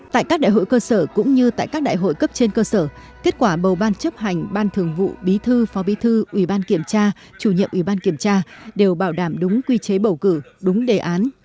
tại các đại hội cơ sở cũng như tại các đại hội cấp trên cơ sở kết quả bầu ban chấp hành ban thường vụ bí thư phó bí thư ủy ban kiểm tra chủ nhiệm ủy ban kiểm tra đều bảo đảm đúng quy chế bầu cử đúng đề án